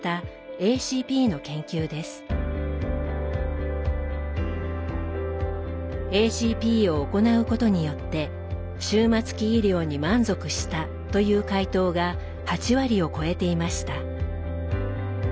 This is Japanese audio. ＡＣＰを行うことによって「終末期医療に満足した」という回答が８割を超えていました。